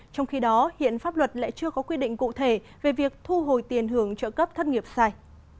trong khi đó hiện pháp luật lại chưa có quy định cụ thể về việc thu hồi tiền hưởng trợ cấp thất nghiệp sai